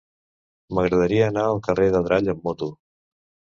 M'agradaria anar al carrer d'Adrall amb moto.